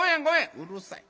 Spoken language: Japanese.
「うるさい。